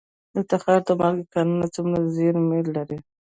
د تخار د مالګې کانونه څومره زیرمې لري؟